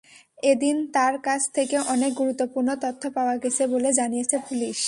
এদিন তাঁর কাছ থেকে অনেক গুরুত্বপূর্ণ তথ্য পাওয়া গেছে বলে জানিয়েছে পুলিশ।